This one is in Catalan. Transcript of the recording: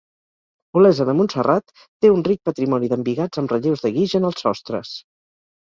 Olesa de Montserrat té un ric patrimoni d'embigats amb relleus de guix en els sostres.